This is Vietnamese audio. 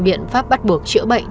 biện pháp bắt buộc chữa bệnh